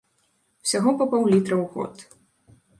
Усяго па паўлітра ў год.